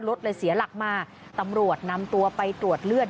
รถเลยเสียหลักมาตำรวจนำตัวไปตรวจเลือด